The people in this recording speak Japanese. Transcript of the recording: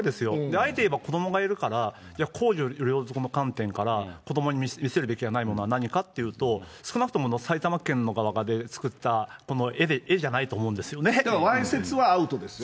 あえて言えば、子どもがいるから、公序良俗の観点から子どもに見せるべきではないものは何かっていうと、少なくとも埼玉県の側で作ったこの絵じだからわいせつはアウトですよ。